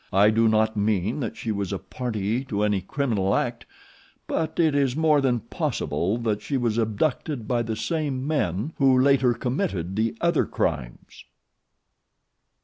I do not mean that she was a party to any criminal act; but it is more than possible that she was abducted by the same men who later committed the other crimes."